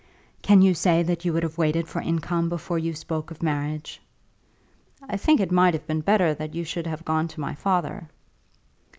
"Can you say that you would have waited for income before you spoke of marriage?" "I think it might have been better that you should have gone to my father."